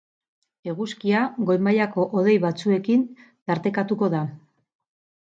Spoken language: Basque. Eguzkia goi-mailako hodei batzuekin tartekatuko da.